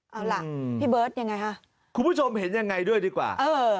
เอาล่ะพี่เบิร์ตยังไงคะคุณผู้ชมเห็นยังไงด้วยดีกว่าเออ